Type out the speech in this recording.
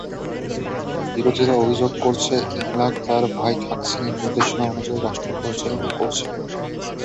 বিরোধীরা অভিযোগ করছে, ইংলাক তাঁর ভাই থাকসিনের নির্দেশনা অনুযায়ী রাষ্ট্র পরিচালনা করছেন।